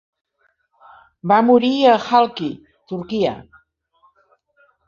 Va morir a Halki, Turquia.